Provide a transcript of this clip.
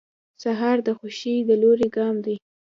سهار د خوښۍ د لوري ګام دی.